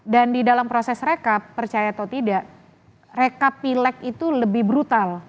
dan di dalam proses rekap percaya atau tidak rekap pileg itu lebih brutal